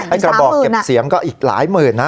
กระบอกเก็บเสียงก็อีกหลายหมื่นนะ